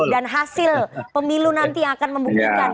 dan hasil pemilu nanti yang akan membuktikan